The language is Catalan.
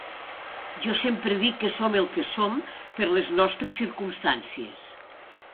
Jo sempre dic que som el que som por les nostres circumstàncies.